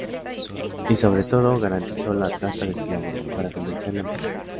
Y, sobre todo, garantizó la trata de esclavos, para financiar la empresa.